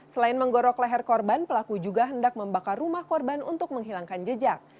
selain menggorok leher korban pelaku juga hendak membakar rumah korban untuk menghilangkan jejak